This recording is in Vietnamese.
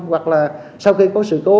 hoặc là sau khi có sự cố